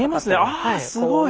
ああすごい。